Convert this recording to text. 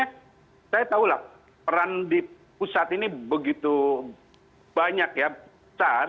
saya tahu lah peran di pusat ini begitu banyak ya besar